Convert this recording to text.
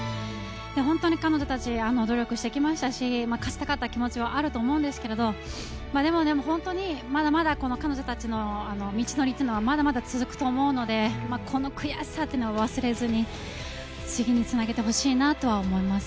本当に彼女たち努力してきましたし勝ちたかった気持ちはあると思いますが、本当に彼女たちの道のりはまだまだ続くと思うのでこの悔しさを忘れずに、次につなげてほしいなと思います。